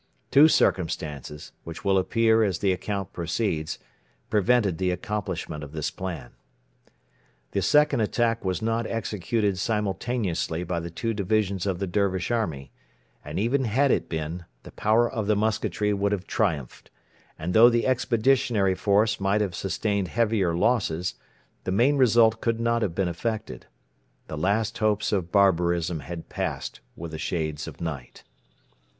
Two circumstances, which will appear as the account proceeds, prevented the accomplishment of this plan. The second attack was not executed simultaneously by the two divisions of the Dervish army; and even had it been, the power of the musketry would have triumphed, and though the Expeditionary Force might have sustained heavier losses the main result could not have been affected. The last hopes of barbarism had passed with the shades of night.